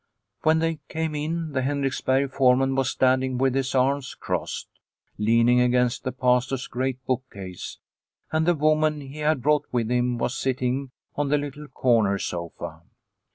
When they came in, the Henriksberg foreman was standing with his arms crossed, leaning against the Pastor's great bookcase, and the woman he had brought with him was sitting on the little corner sofa.